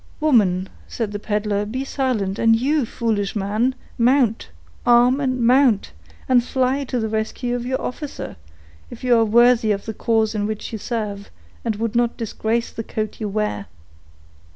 "Woman," said the peddler, "be silent; and you, foolish man, mount—arm and mount, and fly to the rescue of your officer, if you are worthy of the cause in which you serve, and would not disgrace the coat you wear."